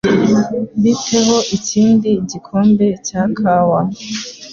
Bite ho ikindi gikombe cya kawa?